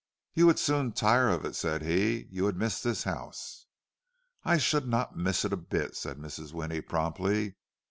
"You would soon tire of it," said he. "You would miss this house." "I should not miss it a bit," said Mrs. Winnie, promptly.